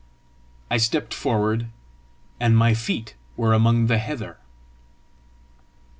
I stepped forward, and my feet were among the heather.